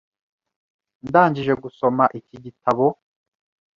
Ndangije gusoma iki gitabo .